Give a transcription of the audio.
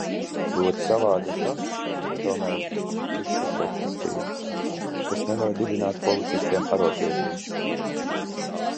Ļoti savādi ir tas, ka tomēr ir šī pretestība, kas neļauj dibināt policistiem arodbiedrības.